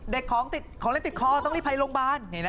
ของติดของเล่นติดคอต้องรีบไปโรงพยาบาล